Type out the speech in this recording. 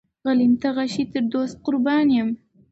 غلیم ته غشی تر دوست قربان یم.